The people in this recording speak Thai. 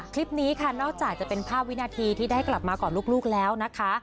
คลิปนี้ค่ะนอกจากจะเป็นภาพวินาทีที่ได้กลับมาก่อนลูกแล้วนะคะ